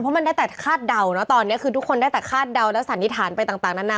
เพราะมันได้แต่คาดเดานะตอนนี้คือทุกคนได้แต่คาดเดาและสันนิษฐานไปต่างนานา